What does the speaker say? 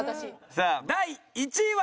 さあ第１位は。